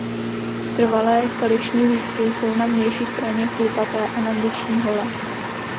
Trvalé kališní lístky jsou na vnější straně chlupaté a na vnitřní holé.